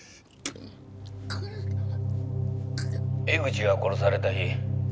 「江口が殺された日」